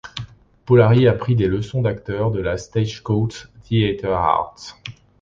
Pollari a pris des leçons d'acteur de la Stagecoach Theatre Arts.